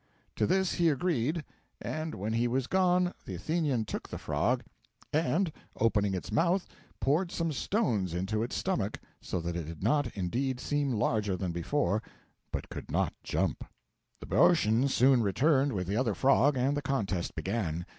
To this he agreed, and when he was gone the Athenian took the frog, and, opening its mouth, poured some stones into its stomach, so that it did not indeed seem larger than before, but could not jump. The Boeotian soon returned with the other frog, and the contest began.